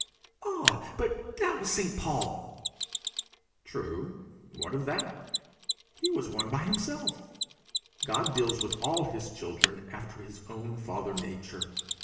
'Ah, but that was St. Paul!' 'True; what of that?' 'He was one by himself!' 'God deals with all his children after his own father nature.